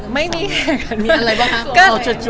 วันที่๙ค่ะ